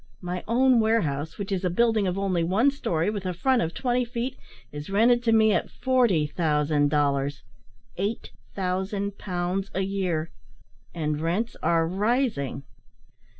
My own warehouse, which is a building of only one storey, with a front of twenty feet, is rented to me at 40,000 dollars 8000 pounds a year and rents are rising."